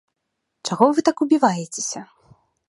Чаго вы так убіваецеся?